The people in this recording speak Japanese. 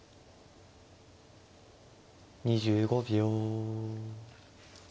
２５秒。